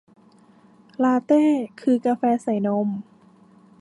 ลาเต้ คือกาแฟใส่นม